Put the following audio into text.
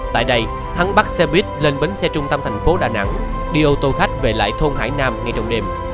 tại đây hắn bắt xe buýt lên bến xe trung tâm thành phố đà nẵng đi ô tô khách về lại thôn hải nam ngay trong đêm